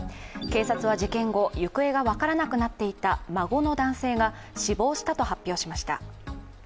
警察は事件後、行方が分からなくなっていた孫の男性が死亡したと発表しました。